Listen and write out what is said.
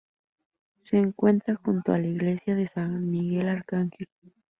Se encuentra junto a la iglesia de San Miguel Arcángel.